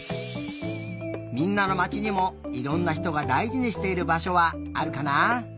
みんなのまちにもいろんなひとがだいじにしているばしょはあるかな？